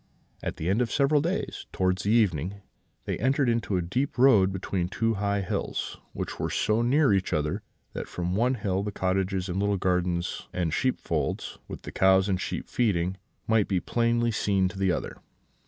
"At the end of several days, towards the evening, they entered into a deep road between two high hills, which were so near each other that from one hill the cottages and little gardens and sheepfolds, with the cows and sheep feeding, might be plainly seen on the other.